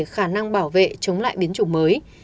khả năng bảo vệ chống lại biến chủng mới